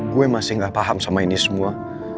gue masih gak paham sama ini semua